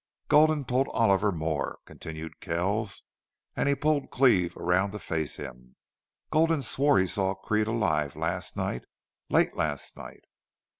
"Gulden told Oliver more," continued Kells, and he pulled Cleve around to face him. "Gulden swore he saw Creede alive last night.... LATE LAST NIGHT!"